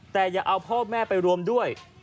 แต่อย่าเอาพ่อแม่ไปรวมด้วย